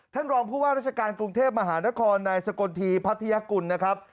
ท่านรองผู้ว่าราชการกรุงเทพมหานครนายสกลทีพัทยากุลนะครับ